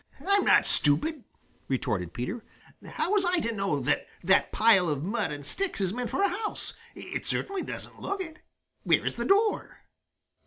"I'm not stupid!" retorted Peter. "How was I to know that that pile of mud and sticks is meant for a house? It certainly doesn't look it. Where is the door?"